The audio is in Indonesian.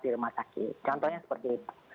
di rumah sakit contohnya seperti itu